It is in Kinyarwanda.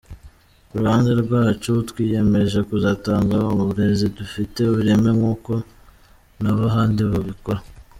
Ku ruhande rwacu twiyemeje kuzatanga uburezi bufite ireme nkuko n’ahandi tubikora.